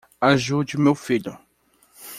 Ajude meu filho